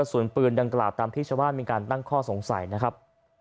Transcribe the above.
ส่วนปืนดังกล่าวตามที่ชาวบ้านมีการตั้งข้อสงสัยนะครับ